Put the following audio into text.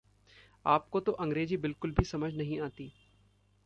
आपको तो अंग्रेज़ी बिलकुल भी समझ नहीं आती।